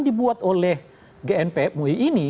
dibuat oleh gnp mui ini